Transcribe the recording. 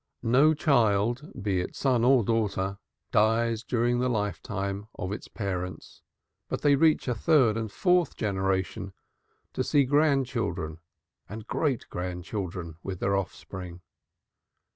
No child, be it son or daughter, dies during the lifetime of its parent, but they reach a third and a fourth generation, and see grandchildren and great grandchildren with their offspring.